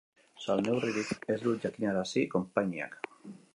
Salneurririk ez du jakinarazi konpainiak.